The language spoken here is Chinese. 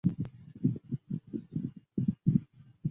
利用其先后担任新京报社社长、总编辑